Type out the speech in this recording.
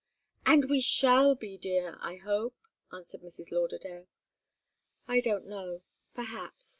"And we shall be, dear, I hope," answered Mrs. Lauderdale. "I don't know perhaps.